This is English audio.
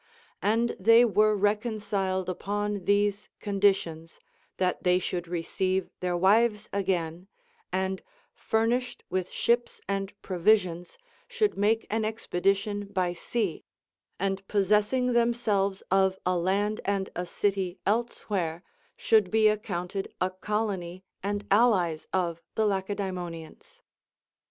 And they were reconciled upon these conditions, that they should receive their wives again, and furnished with ships and provisions should make an expedition by sea, and possessing themselves of a land and a city else where should be accounted a colony and allies of the Lace daemonians.